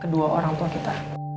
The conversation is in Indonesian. kedua orang tua kita